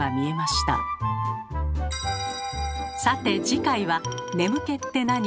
さて次回は「眠気って、なに？」